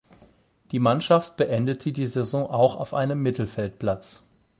Die Mannschaft beendete die Saison auch auf einem Mittelfeldplatz.